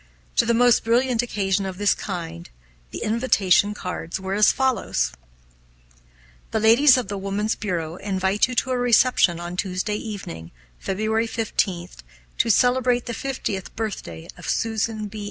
To the most brilliant occasion of this kind, the invitation cards were as follows: The ladies of the Woman's Bureau invite you to a reception on Tuesday evening, February 15th, to celebrate the fiftieth birthday of Susan B.